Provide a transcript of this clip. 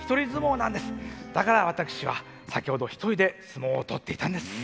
だから私は先ほど一人で相撲を取っていたんです。